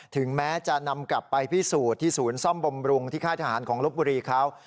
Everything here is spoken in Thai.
ถึงแม้จะนำกลับไปพิสูจน์ที่ศูนย์ซ่อมบำรุงที่ค่ายทหารของลบบุรีเขา